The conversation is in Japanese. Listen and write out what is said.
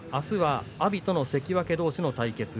あすは阿炎との関脇どうしの対決。